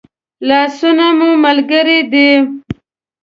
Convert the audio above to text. لاسونه مو ملګري دي